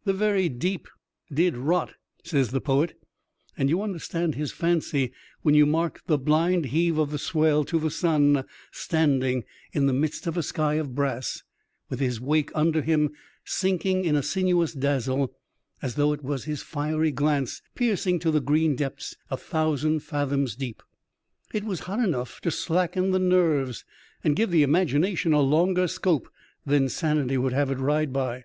*' The very deep did rot," says the poet, and you understood his fancy when you marked the blind heave of the swell to the sun standing in the midst of a sky of brass, with his wake under him sinking in a sinuous dazzle, as though it was his fiery glance piercing to the green depths a thousand fathoms deep. It was hot enough to slacken the nerves, and give the imagination a longer scope than sanity would have it ride by.